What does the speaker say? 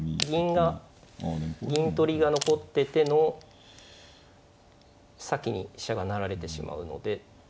銀が銀取りが残ってての先に飛車が成られてしまうので。